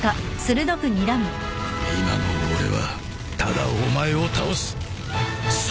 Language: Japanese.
今の俺はただお前を倒すそれだけだ！